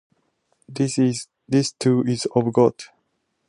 This, too, is of God.